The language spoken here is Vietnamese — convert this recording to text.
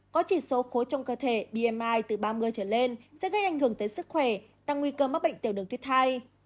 có chỉ số khối trong cơ thể bmi từ ba mươi trở lên sẽ gây ảnh hưởng tới sức khỏe tăng nguy cơ mắc bệnh tiểu đường thiết hai